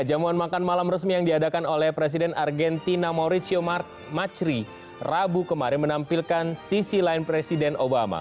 jamuan makan malam resmi yang diadakan oleh presiden argentina mauricio marchri rabu kemarin menampilkan sisi lain presiden obama